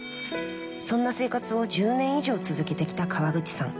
そんな生活を１０年以上続けてきた川口さん。